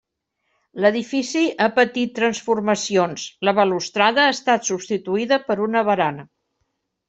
L'edifici ha patit transformacions, la balustrada ha estat substituïda per una barana.